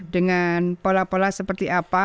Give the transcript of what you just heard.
dengan pola pola seperti apa